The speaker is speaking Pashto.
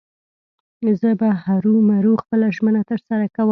زه به هرو مرو خپله ژمنه تر سره کوم.